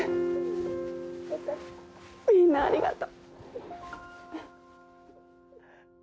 みんなありがと。